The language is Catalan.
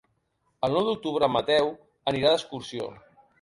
El nou d'octubre en Mateu anirà d'excursió.